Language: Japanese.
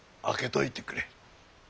開けといてくれ。